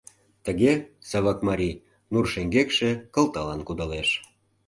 Тыге Савак марий нур шеҥгекше кылталан кудалеш.